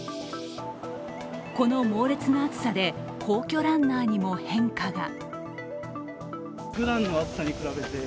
この猛烈な暑さで皇居ランナーにも変化が。